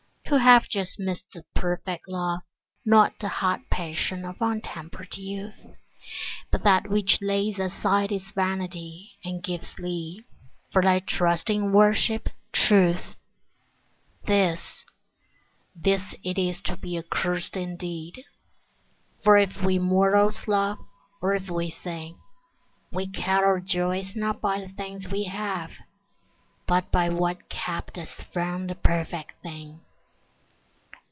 To have just missed the perfect love, Not the hot passion of untempered youth, But that which lays aside its vanity And gives thee, for thy trusting worship, truth— This, this it is to be accursed indeed; For if we mortals love, or if we sing, We count our joys not by the things we have, But by what kept us from the perfect thing.